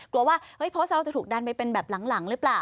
กลัวว่าโพสต์เราจะถูกดันไปเป็นแบบหลังหรือเปล่า